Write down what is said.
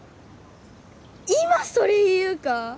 今それ言うか？